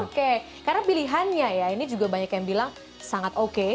oke karena pilihannya ya ini juga banyak yang bilang sangat oke